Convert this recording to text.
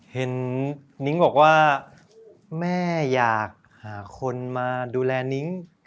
เห็นนิ้งบอกว่าแม่อยากหาคนมาดูแลนิ้ง